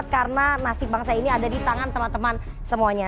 karena nasib bangsa ini ada di tangan teman teman semuanya